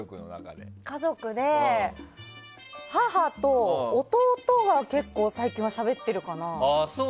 家族で、母と弟は結構最近はしゃべってるかな。